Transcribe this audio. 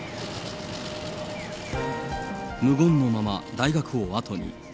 無言のまま大学を後に。